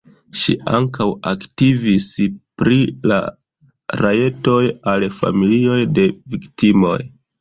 Ŝi ankaŭ aktivis pri la rajtoj al familioj de viktimoj.